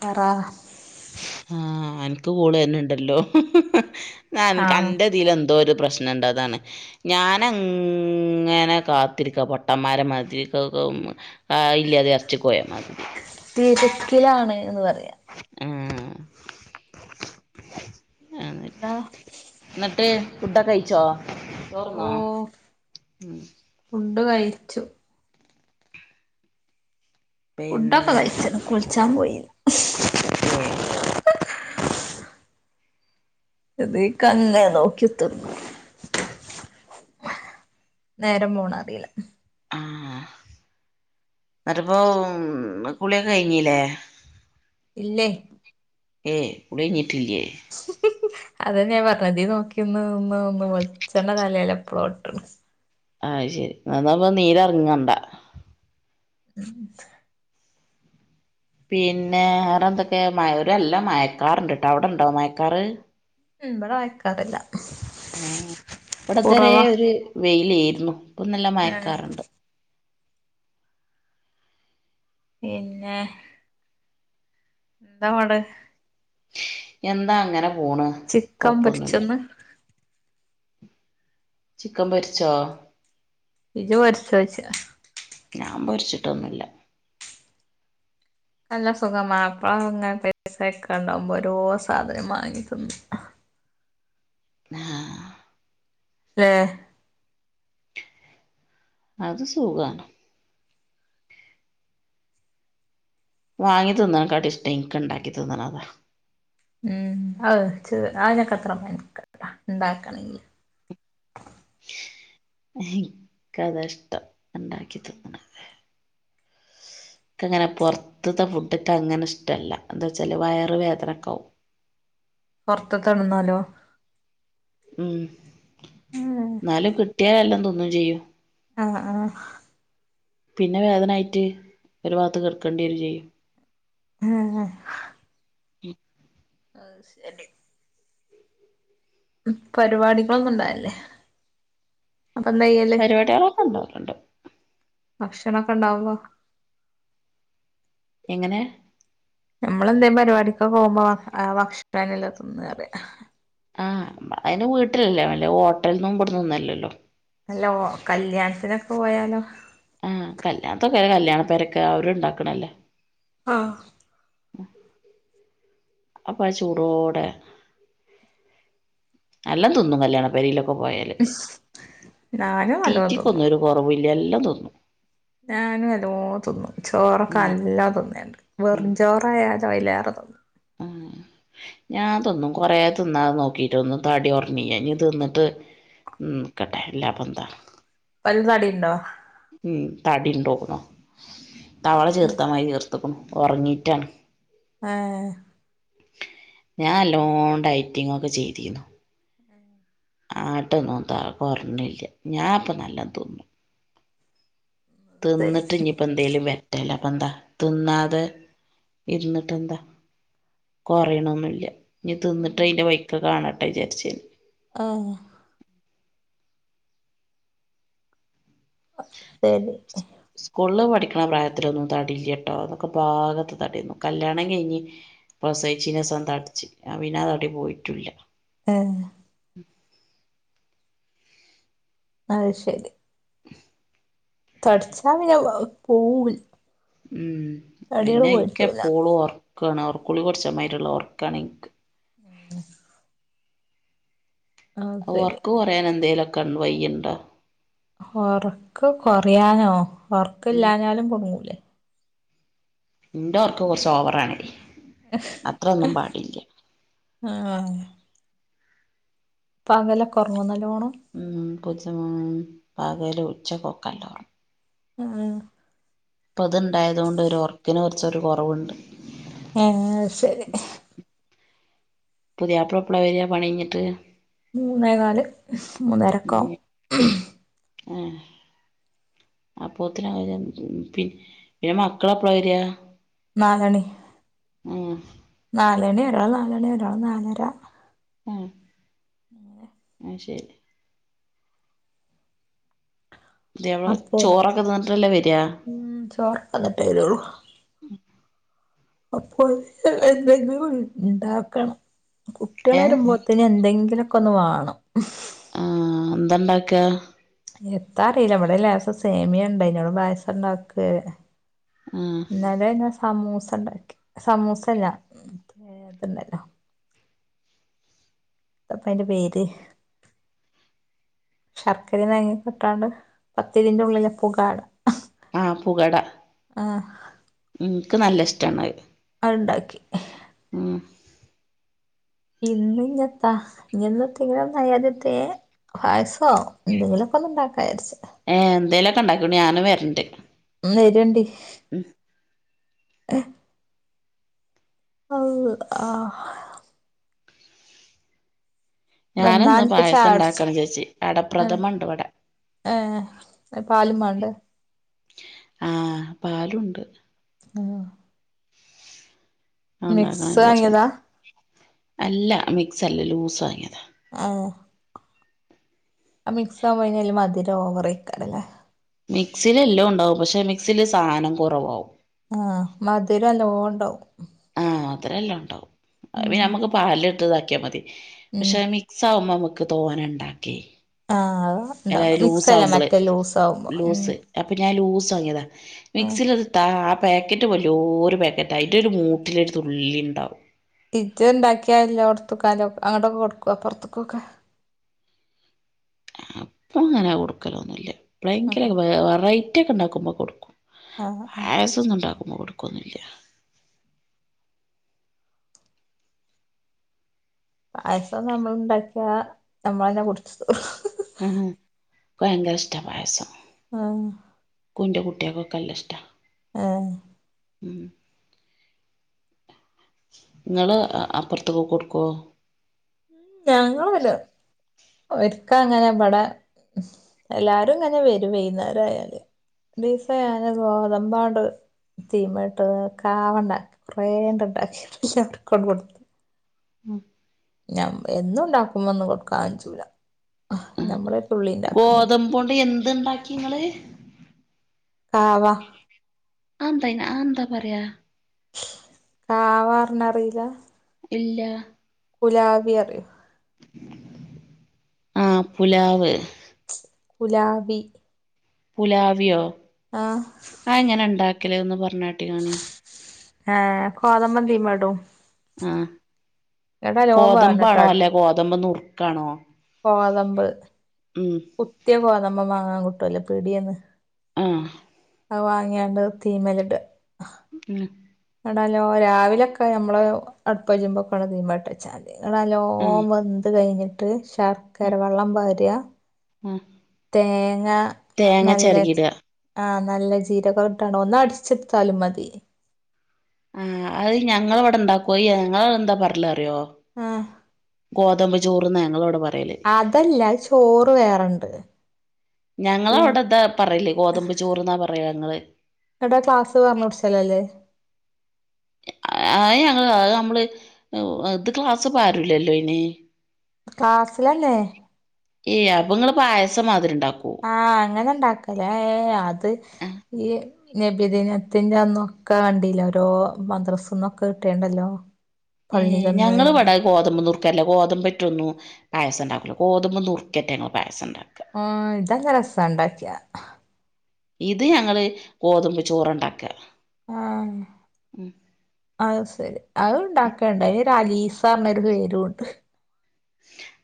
പറ കൂള തന്നെ ഉണ്ടല്ലോ ഞാൻ ആഹ് കറതിൽ എന്തോ പ്രശ്നമുണ്ട് അതാണ് ഞാനങ്ങനെ കാത്തിരിക്കാം പൊട്ടന്മാരെ മാതിരിക്ക ആ ഇല്ലാതെ ഇറച്ചു പോയാ തിരക്കിലാണ് എന്ന് പറയാ അ അ എന്താ എന്നിട്ട് ഫുഡ് ഒക്കെ കഴിച്ചോ ഓ ചോർന്നോ ഉ ഫുഡ് കഴിച്ചു ഫുഡൊക്കെ പിന്നെ കയ്ച്ചണ് കുളിച്ചാൻ വയ ഏ ഇതികന്നെ നോക്കിത്തന്നു നേരം പോണ അറിയില അത്പ്പോ കുളിയൊക്കെ കഴിഞ്ഞല്ലേ ഇല്ലേ ഏ കുളി കഴിഞ്ഞിട്ടിലെ അത നെ പറഞ്ഞത് നോക്കിന്ന്ന്ന് ഒന്ന് വച്ചെണ്ണ തലല്ല എപ്പളോ ഇട്ടണ് ആഹ് ശരി എന്നന്നപ്പ നീരറങ്ങണ്ട ഉം പിന്നെ വേറെന്തൊക്കെ മൂരല്ല മയക്കാർണ്ട്ട്ടോ അവിടെണ്ടോ മയക്കാറ് ഉം വട വയ്ക്കാറില്ല ആഹ ഇവിടെ ഇതവരെ ഒരു വെയില ഏയിരുന്നു ഇപ്പൊ നല്ല ഏഹ് മയക്കാറുണ്ട് പിന്നെ എന്താ പാട് എന്താ അങ്ങനെ പൂണ് ചിക്കൻ കൊപ്പൊന്നുമില്ല പൊരിച്ചന്ന് ചിക്കൻ പരിച്ചോ ഇജ വരച്ച വച്ച നാം പോരിച്ചിട്ടൊന്നുമില്ല നല്ല സുഖ മാപ്പിള പൈസ ഒക്കെ ഉണ്ടാവുമ്പോ ഓരോ സാധനം വാങ്ങി ത്തിനും [inaudible] ആഹ ഏ അത് സുഖാണ് വാങ്ങി തിന്നണ കാട്ട ഇഷ്ടം ഇനക്ക് ഇണ്ടാക്കി തിന്നണ അതാ ഉം അ അതിനൊക്കെ അത്ര പട്ട ഉണ്ടാക്കണെങ്കില് എനിക്കത ഇഷ്ടം ഉണ്ടാക്കി തന്നണ [inaudible] അങ്ങനെ പൊറത്തത്തെ ഫുഡക്ക അങ്ങനെ ഇഷ്ടമല്ല എന്താ വച്ചാല് വയറ വേദനക്കെ ആവും [inaudible] പുറത്ത് തിന്നാലോ ഉം എന്നാലും കിട്ടിയല്ലാം തൊന്നും ചെയും ആഹ ആഹ പിന്നെ വേദനായിട്ട് ഒരു ഭാഗത്ത് കേർക്കേണ്ടി വും ചെയ്യും ഹഹ ഉ അഹ് ശരി പരിപാടികളൊന്നുംണ്ടായല്ലേ പരിപാടികളൊക്കെ ഉണ്ടാവറുണ്ട് ഭക്ഷണൊക്കെ ഇണ്ടാവുമ്പോ എങ്ങനെ നമ്മളെന്തേ പരിപാടിക്കെ പോകുമ്പോ ഭക്ഷണാനല്ല തിന്ന റ ആഹ് അതിന് വീട്ടിലല്ലേ അല്ല ഹോട്ടലന്നും ഇവിടുന്നന്നല്ലല്ലോ അല്ലോ കല്യാണത്തിനൊക്കെ പോയാലോ ആഹ് കല്യാണത്തൊക്കെ കല്യാണം പെരക്ക് അവരു ഇണ്ടാക്കണല്ലേ ആഹ അ അപ്പൊത് ചൂടോടെ എല്ലാം തിന്നും കല്യാണം പരിലൊ ക്കെ പോയല് ഞാനും നല്ലോം തിന്നും തീറ്റിക്കൊന്നും ഒരു കൊറവില്ല എല്ലാം തിന്നും ഞാനും നല്ലോം തിന്നും ഉം ചോറൊക്കെനല്ലം തിന്നലുണ്ട് വെറും ചോറായാൽ അയിലേറേ തിന്നും ആ ഞാൻ തിന്നും കൊറേ തിന്നാതെ നോക്കിറ്റൊന്നും തടികോർന്നില്ല ഇനി തിന്നിട്ട് ഉം നിക്കട്ടെ അല്ലാദേ പന്ത ഇപ്പല്ല തടി ഉണ്ടോ ഉം തടിണ്ടോന്നേ തവള ഉം ചീർത്തമായിരി ചിർത്ത ക്കുന്നു ഉറങ്ങിട്ടാണ് ഏ ഞാൻ നല്ലോം ഡൈറ്റിംഗ് ഒക്കെ ചെയ്തീനു ഉം ആട്ടൊന്നും ത കൊറഞ്ഞില്ല ഞാൻപ്പൊ നല്ല തിന്നും ശരി തിന്നിട്ട് ഞ്ഞിയിപ്പോ എന്തേലും വരട്ടെ എല്ല പ്പന്താ തിന്നാതെ ഇരുന്നിട്ട്ന്താ കൊറയുണന്നുല്ല ഇനി തിന്നിട്ട് അയിന്റെ ബൈക്ക് കാണട്ടെ വിജാരിച് ആ ശരി സ്കള് പഠിക്കണ പ്രായത്തിലൊന്നും തടിയില്ല്യാട്ടോ അനോക്കെ ഭാഗത്ത തടിന്നു കല്യാണം കഴിഞ്ഞ് പ്രസവിച്ചീനെസം തടിച്ച് അ പിന്നെ ആ തടി പോയിട്ടുല്ല ഏ [inaudible] അശരി തടിച്ചാ പിന്ന [unintelligible] പോഉല്ല മം പിന്നെ ഇൻക്ക് പ്പോളും ഒർ ക്കാണ് ഒർക്കുളിക കുടിച്ചമായിരിള്ള ഒർക്കാണ് ഇൻക്ക് [unintelligible] ആഹ് ശരി ഒർക്ക് കൊറയാൻ എന്തെലൊക്ക വയ്യിണ്ടോ ഉറക്ക് കൊറയാനോ ഉം ഉറക്കില്ലാനാലും കുടുങ്ങൂലേ ഇന്റെർക്ക് കുർച്ച് ഓവറാണ് അത്രോന്നും പാടില്ല ആ പകലൊക്കെ ഉറങ്ങോ ന മം കോച്ച് പകൽ ഉച്ചക്കും കൊക്കെ നല്ലോം ഒർങ്ങും അ ആ ഇപ്പൊ ഇത് ണ്ടായത്‌ കൊണ്ട് ഒരു ഒറക്കിന് കുറച്ചൊരു കുറവുണ്ട് ആ ശരി പുതിയാപ്പളാ എപ്പളാ വര പണികയിഞ്ഞിട്ട് മൂന്നേകാല് മൂന്നരക്കാവും ഏ അപ്പോത്തിന് [unintelligible] പി ന്നെ മക്കൾ എപ്പളാ വരാ നാലണി ഉം നാലണി ഒരാൾ നാലണി ഒരാൾ നാലര അ അശരി പുതിയാപ്പിള അപ്പോ ചോറൊക്കെ നിന്നിട്ടല്ലേ വര ഉം ചോറൊക്കെ തിന്നിട്ടേ ഉം അപ്പോത്തിന് എന്തെങ്കിലും ണ്ടാക്കണം കുട്ടിയൾ ഏഹ് വരുമ്പോത്തിന് എന്തെങ്കിലുക്കെ ഒന്ന് വാണം ആ എന്താണ്ടാക്ക എത്താ അറിയില്ല വിടെ ലേശം സേമിയണ്ട് അഹ് പായസം ണ്ടാക്കെ ആഹ് ഇന്നലെ എൻ ഹസ് സമൂസ ണ്ടാക്കി സമൂസല്ലാ മറ്റേ ത്‌ണ്ടല്ലോ ന്താപ്പ അയിന്റെ പേര് ശർക്കരേം തേങ്ങട്ടാണ്ട് പത്തിരിന്റെ ഉള്ളില പുകാട ആഹ പുകട ആഹ് ഇൻക്ക് നല്ല ഇഷ്ടാണ് അ അഹ്ണ്ടാക്കി മം ഇന്ന് ഇന്നഞാത്താ ങ്ങന്നത്തെ ങ്ങനെ നത്തെ പായസം എന്തെങ്കിലുകൊന്ന് ണ്ടാക്കാരിച് ഒക്കെണ്ടാക്കൂടി ഞാനും വരണ്ട് ന്ന വേരേണ്ടി ഉം ഹ് ആഹ് അ വന്നാ ഞാനന്ന് അൻക്ക് പായസം ചായുട്ച്ച് ഉണ്ടാക്കണം വിചാരിച്ച് അടപ്രഥമണ്ട് വിടെ ഏ പാലുംമാണ്ടെ ആഹ് പാലുംണ്ട് ആ മിക്സ് ഉണ്ടാക്കണം വാങ്ങിയതാ വിചാരിക്കുന്നു അല്ല മിക്സ്ലലൂസ് വാങ്ങിയതാ ആഹ ആ മിക്സാവുമ്പോ അയ മധുരം ഓവറെക്കാരല്ലേ മിക്സിലെല്ലോണ്ടാവും പക്ഷെ മിക്സിൽ സാനം കുറവാവും ആഹ മധുരം നല്ലോണ്ടാവും ആഹ് മധുരലോണ്ടാവും അത് ഉം നമ്മക്ക് പാലിലിട്ട് ഇതാക്യാ മതി ഉം പക്ഷെ മിക്സ് ആകുമ്പോ നമുക്ക് തോനെണ്ടാക്കെ ആഹ അഹ് ഇണ്ടാവും മിക്സ് അല്ലേ മറ്റേ ലൂസ് ലൂസ് അപ്പൊ ഞാൻ ലൂസ് വാങ്ങിയതാ ആഹ് മിക്സിൽത് താ പാക്കറ്റ് വല്യോര് പാക്കറ്റ് അതിന്റെ ഒരു മൂട്ടിൽ ഒരു തുള്ളി ഉണ്ടാവും ജ് ണ്ടാക്കിയാല്ലോട്ത്ത്ക്കും അയലോ അങ്ങോട്ടൊക്കെ കൊടുക്കൊ അപ്പർത്ത്ക്കൊക്കെ അപ്പൊ അങ്ങനെ കൊടുക്കലോന്നില്ല ആഹ് പ്ലങ്കിലും വെറൈറ്റി ഒക്കെണ്ടാക്കുമ്പോ കൊടുക്കും ആഹ് ആഹ് പായസൊന്നും ഇണ്ടാക്കുമ്പോ കൊടുക്കൊന്നുല്ല പായസം നമ്മൾ ഉണ്ടാക്കിയ നമ്മളന്നെ കുടിച്ച് ഉം ക്ക് ഭയങ്കരഷ്ട പായസം ആഹ ന്റെ കുട്ട്യക്കൊക്കെ നല്ല ഇഷ്ട ഉം ങ്ങള് അപ്പുറത്ത്കൊക്കെ കൊടുക്കോ ഉം ഞണ്ട്ള് വന്നെ ഓർക്കെ അങ്ങനെ ഇബട എല്ലാരും ഇങ്ങനെ വരും വൈന്നേരാന്നരായല് [unintelligible] ഗോതമ്പാണ്ട് തീമട്ട് കാവണ്ട കുറെേണ്ടണ്ട് ണ്ടാക്കാനറണ് എല്ലാത്ത കൊടുത്ത. കൊണ്ട് കൊടുത്ത് ഉം ഞാ എന്നും ഉണ്ടാക്കുമ്പോ ഒന്ന് കൊടുക്കാ കഞ്ചുല നമ്മളെ പുള്ളി ഉണ്ടാക്കണരിക്ക ഇത്ണ്ടാക്കിങ്ങള് കാവ ആന്തായ്ന് ആന്താ പറയാ കാവർ ഞ്ഞാറില്ല ഇല്ല കുലാവി അറിയോ ആഹ് പുലാവ് കുലാവി പുലാവി യോ ആഹ കേലേന്ന് പറഞ്ഞാല് ആഹ കോതമ്പം തീ മെടും ആഹ ഗതമ്പാണോ അല്ലെ ഗോതമ്പ് നുറുക്കാണോ കോതമ്പ് ഉം കുത്തിയ കോതമ്പം വാങ്ങാൻ കിട്ടുവല്ലോ പി ടെന്ന് ആഹ അ വാങ്ങിയണ്ട് തീമയിലിട്ട് [unintelligible] എണാല്ലേ രാവിലൊക്കെഞമ്മള് അടുപ്പ വഴരുമ്പോൊക്കെ ഉ ദീ്പോട്ട വച്ചാ ഇ ലോം ആഹ് വെന്ത് കഴിഞ്ഞിട്ട് ശർക്കര വെള്ളം പരിയാ ആഹ് തേങ്ങ തേങ്ങ നല്ലജ് ചെരകിയിടുക ആഹ നല്ല ജീരകംട്ടാണോ ഒന്ന് അടിച്ചെടുത്താലും മതി ആഹ് അത് ഞങ്ങള ഇവിടെ ഉണ്ടാക്കോയെ ഞങ്ങള എന്താ പറല അറിയോ ആഹ ഗോതമ്പചോറ്ന്ന് ഞങ്ങളോട് പറഞ്ഞ അതല്ല ചോറ് വേറണ്ട് ഞങ്ങവിടെന്താ പറലേ ഗോതമ്പ് ചൂർന്നാ പറയ ഞങ്ങള് എടാ ക്ലാസ് പറഞ്ഞ വിടിച്ചലല്ലേ അ ഞങ്ങ നമ്മള് ഇത് ക്ലാസ് പാരില്ലല്ലോ ഇന ക്ലാസ്സിലല്ലേ യ്യ അപ്പൊ നിങ്ങള്പായസം മാതിരി ഉണ്ടാവും ആഹ അങ്ങനെ ഇണ്ടാക്കലേ ഏ അത് ഈ നബിദിനത്തിന്റെ അന്നും ഒക്കെ വണ്ടില്ല ഓരോ മദ്രസന്നൊക്കെ കിട്ടണ്ടല്ലോ ഏഹ് ഞങ്ങള് ഇവിടെ ഗോതമ്പ്നൂർക്കല്ലേ ഗോതമ്പറ്റൊന്നു പായസംണ്ടവില്ലഗോതമ്പ്നുറുക്കന്റെ ഞങ്ങള് പായസ ഉണ്ടാക്ക ആ ഇതാല്ല രസ ഉണ്ടാക്കിയാ ഇത് ഞങ്ങള് ഗോതമ്പ് ചോറ്ണ്ടാക ആഹ അത് ശരി അത് ഉണ്ടാക്കേണ്ടായി താലിസറിനൊരു പേരു ഉണ്ട്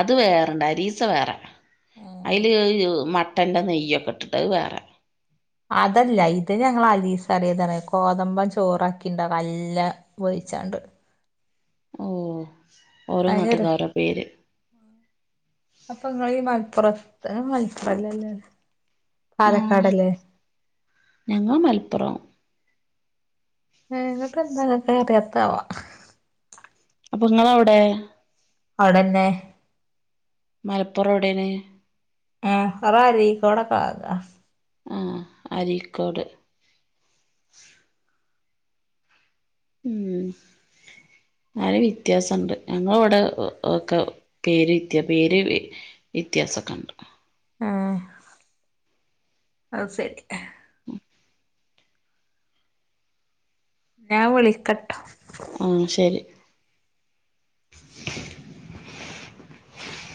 അത് വേറെണ്ട അരീസ വേറെ ആഹ് അതില് ല് മ മട്ടന്റെനെയ്യ് ഒക്കെ ഇട്ടിട്ട്ത് വേറെ അതല്ല ഇത് ഞങ്ങൾ അലീസാറിയതാണ് കോതമ്പം ചോറാക്കിട്ടത് നല്ല മൊരി ച്ചാണ്ട് ഓ ഓരോ ആയിഞ്ഞെട് നാട്ടുകാ ഓരോ പേര് അപ്പൊ നിങ്ങള് ഈ മലപ്പുറം [unintelligible] ഉ ഞങ്ങ മലപ്പുറം ഇങ്ങോട്ട് എന്താക്കെ അറിയാത്താവാ അപ്പൊ നിങ്ങളവിടെ അവിടന്നെ മലപ്പുറം എവിടയാണ് ആഹ റരീക്കോടെ കാക ആഹ അരിക്കോട് ഉം ആരും വ്യത്യാസണ്ട് ഞങ്ങള അവിടെ ഒട് ഒക്കെ പേര് വിത്തിയ പേര് ഇ്യത്യാസക്കെണ്ട് ആഹ അത് സരി ഞാൻ വളിക്കട്ടോ ആഹ ശരി [unintelligible]